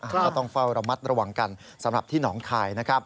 ก็ต้องเฝ้าระมัดระวังกันสำหรับที่หนองคายนะครับ